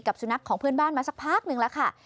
สุนัขของเพื่อนบ้านมาสักพักหนึ่งแล้วค่ะ